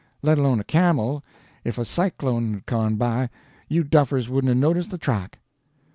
Let alone a camel, if a cyclone had gone by, you duffers wouldn't 'a' noticed the track."